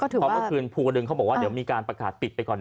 เพราะเมื่อคืนภูกระดึงเขาบอกว่าเดี๋ยวมีการประกาศปิดไปก่อน